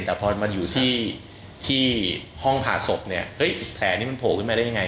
แต่พอมันอยู่ที่ห้องผ่าศพเนี่ยเฮ้ยแผลนี้มันโผล่ขึ้นมาได้ยังไง